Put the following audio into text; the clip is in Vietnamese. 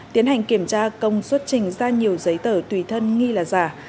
tiến hành kiểm tra công xuất trình ra nhiều giấy tờ tùy thân nghi là giả